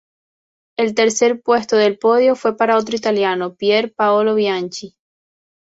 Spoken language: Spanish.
El tercer puesto del podio fue para otro italiano: Pier Paolo Bianchi.